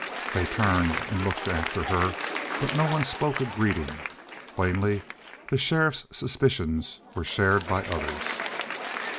They turned and looked after her, but no one spoke a greeting. Plainly the sheriff's suspicions were shared by others.